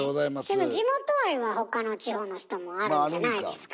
でも地元愛はほかの地方の人もあるんじゃないですか？